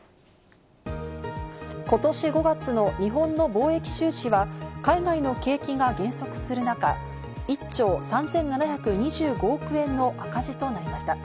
ことし５月の日本の貿易収支は海外の景気が減速する中、１兆３７２５億円の赤字となりました。